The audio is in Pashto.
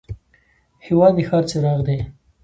هېواد د ښار څراغ دی.